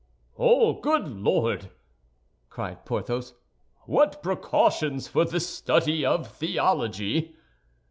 "Oh, good lord," cried Porthos, "what precautions for the study of theology!"